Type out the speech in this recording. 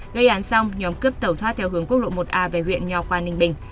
gây án xong nhóm cướp tẩu thoát theo hướng quốc lộ một a về huyện nho khoa ninh bình